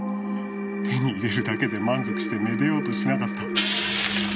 手に入れるだけで満足して愛でようとしなかった。